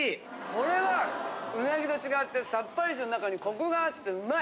これは鰻と違ってさっぱりとした中にコクがあってうまい！